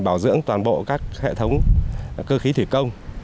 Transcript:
bảo dưỡng toàn bộ các hệ thống cơ khí thủy công